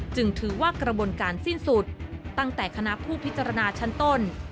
จึงถือว่ากระบวนการสิ้นสุดตั้งแต่คณะผู้พิจารณาชั้นต้น